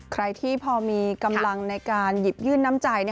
ใครที่พอมีกำลังในการหยิบยื่นน้ำใจ